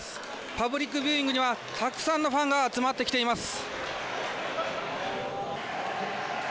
パブリックビューイングには、たくさんのファンが集まってきています。